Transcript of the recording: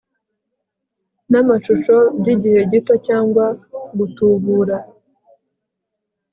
n amashusho by igihe gito cyangwa gutubura